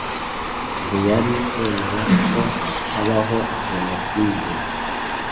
ntiyari kwemera ko habaho jenoside